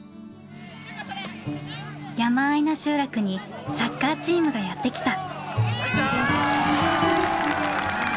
山あいの集落にサッカーチームがやって来た！